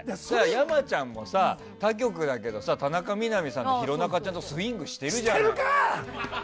山ちゃんもさ、他局だけど田中みな実さんと弘中ちゃんとスイングしてるじゃん。